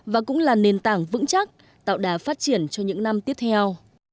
nó cũng là nền tảng vững chắc tạo đá phát triển cho những năm tiếp theo